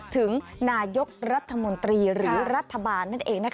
ถึงนายกรัฐมนตรีหรือรัฐบาลนั่นเอง